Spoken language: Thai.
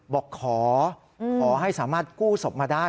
บอกขอให้สามารถกู้ศพมาได้